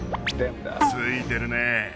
ついてるね